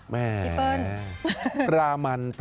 แม่ประมัน